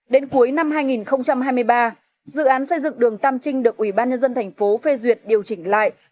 đến cuối năm hai nghìn hai mươi ba dự án xây dựng đường tam trinh được ủy ban nhân dân thành phố phê duyệt điều chỉnh lại